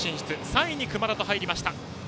３位に熊田が入りました。